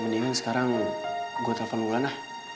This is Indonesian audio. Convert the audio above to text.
mendingan sekarang gue telfon ulana